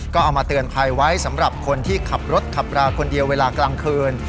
ก็เอามาเตือนภัยไว้สำหรับคนที่ขับรถขับราคนเดียวเวลากลางคืน